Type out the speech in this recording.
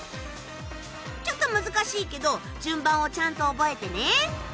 ちょっと難しいけど順番をちゃんと覚えてね。